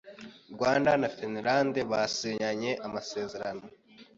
Rwanda na Finland byasinyanye amasezerano